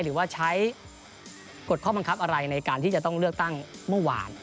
หรือว่าใช้กฎข้อบังคับอะไรในการที่จะต้องเลือกตั้งเมื่อวาน